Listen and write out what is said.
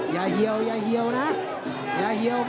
ตามต่อยกที่สองครับ